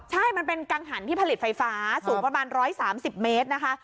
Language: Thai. ใช่มันเป็นกังหันที่ผลิตไฟฟ้าสูงประมาณ๑๓๐เมตรนะคะ